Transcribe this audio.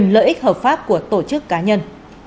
lợi ích hợp pháp của tổ chức cá nhân